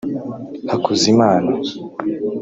Hakuzimana